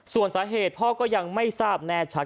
ส่วนสาเหตุพ่อก็ยังไม่ทราบแน่ชัด